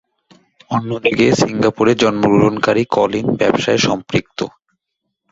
অন্যদিকে সিঙ্গাপুরে জন্মগ্রহণকারী কলিন ব্যবসায়ে সম্পৃক্ত।